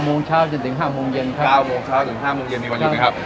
๙โมงเช้าจนถึง๕โมงเย็นมีวันหยุดไหมครับ